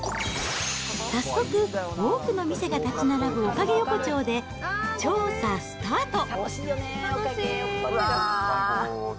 早速、多くの店が建ち並ぶおかげ横丁で調査スタート。